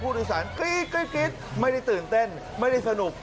ผู้โดยสารกรี๊ดไม่ได้ตื่นเต้นไม่ได้สนุก